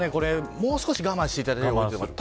もう少し我慢していただきたいです。